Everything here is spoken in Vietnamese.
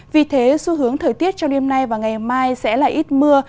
vì thế xu hướng thời tiết trong đêm nay và ngày mai sẽ là ít mưa